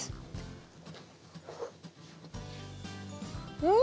うん！